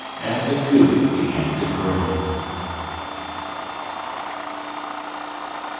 And the Goop began to groan.